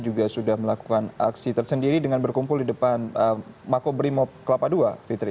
juga sudah melakukan aksi tersendiri dengan berkumpul di depan makobrimob kelapa ii fitri